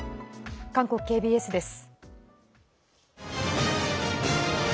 韓国ＫＢＳです。